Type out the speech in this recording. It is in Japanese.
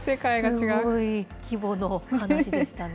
すごい規模の話でしたね。